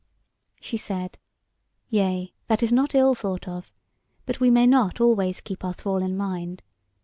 She said: "Yea, that is not ill thought of; but we may not always keep our thrall in mind.